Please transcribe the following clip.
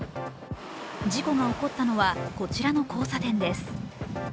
事故が起こったのは、こちらの交差点です。